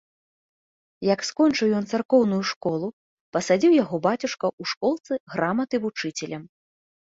Як скончыў ён царкоўную школу, пасадзіў яго бацюшка ў школцы граматы вучыцелем.